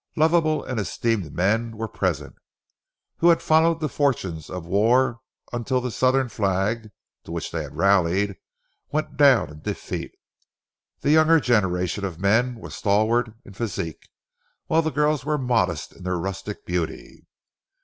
Lovable and esteemed men were present, who had followed the fortunes of war until the Southern flag, to which they had rallied, went down in defeat. The younger generation of men were stalwart in physique, while the girls were modest in their rustic beauty.